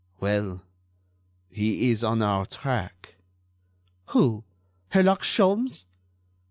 "Well, he is on our track." "Who? Herlock Sholmes?"